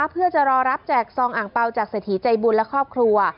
เพื่อจะรอรับแจกซองอ่างเปล่าจากเศรษฐีใจบุญและครอบครัว